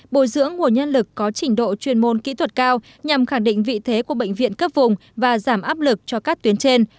bồi dưỡng nguồn nhân lực có trình độ chuyên môn kỹ thuật cao nhằm khẳng định vị thế của bệnh viện cấp vùng và giảm áp lực cho các tuyến trên